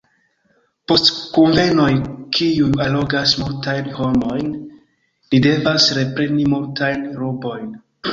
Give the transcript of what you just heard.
Post kunvenoj, kiuj allogas multajn homojn, ni devas repreni multajn rubojn.